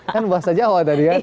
kan bahasa jawa tadi kan